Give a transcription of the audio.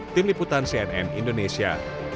tim liputan cnn indonesia